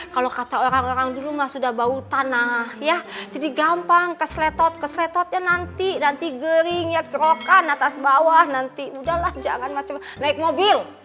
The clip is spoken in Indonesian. kalau kata orang orang dulu mah sudah bau tanah ya jadi gampang keseletot kesetot ya nanti nanti gering ya gerokan atas bawah nanti udahlah jangan macam naik mobil